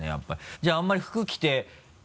じゃああんまり服着てて。